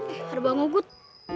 eh ada bang oguh